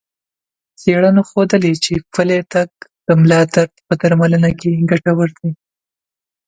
څېړنو ښودلي چې پلی تګ د ملا درد په درملنه کې ګټور دی.